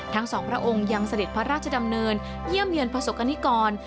ทั้งสองพระองค์ยังเสด็จพระราชดำเนินเยี่ยมเยือนประสบกรณิกร